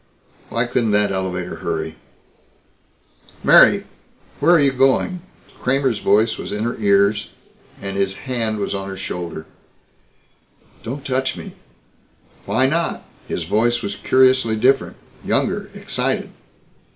Why couldn't that elevator hurry? "Mary! Where are you going?" Kramer's voice was in her ears, and his hand was on her shoulder. "Don't touch me!" "Why not?" His voice was curiously different. Younger, excited.